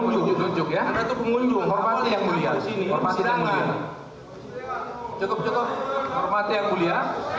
menunjuk nunjuk ya mengunjungi yang mulia sini pasangan cukup cukup mati yang mulia